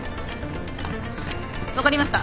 分かりました